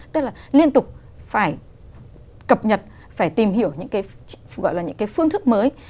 tức là liên tục phải cập nhật phải tìm hiểu những cái gọi là những cái phương thức mới